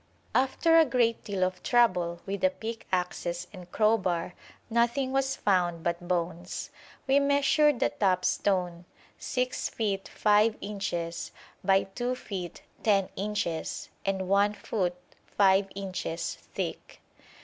After a great deal of trouble with the pickaxes and crowbar nothing was found but bones. We measured the top stone, 6 feet 5 inches by 2 feet 10 inches and 1 foot 5 inches thick.